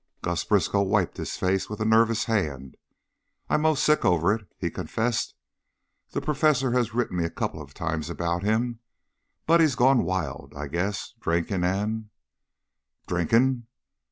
Gus Briskow wiped his face with a nervous hand. "I'm 'most sick over it," he confessed. "The perfessor has written me a coupla times about him. Buddy's gone kinda wild, I guess, drinkin' an' " "Drinking?"